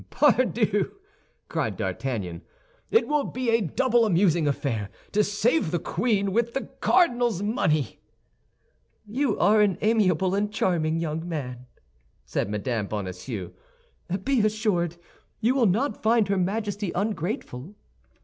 "Pardieu," cried D'Artagnan, "it will be a double amusing affair to save the queen with the cardinal's money!" "You are an amiable and charming young man," said Mme. Bonacieux. "Be assured you will not find her Majesty ungrateful."